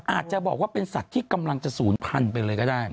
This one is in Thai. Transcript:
อาจจะบอกว่าเป็นสัตว์ที่กำลังจะศูนย์พันธุ์ไปเลยก็ได้